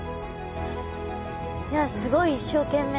いやすごい一生懸命な。